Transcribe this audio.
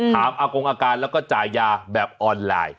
อากงอาการแล้วก็จ่ายยาแบบออนไลน์